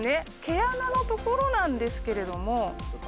毛穴の所なんですけれども。